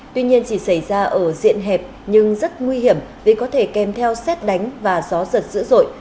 tuy nhiên chỉ xảy ra ở diện hẹp nhưng rất nguy hiểm vì có thể kèm theo xét đánh và gió giật dữ dội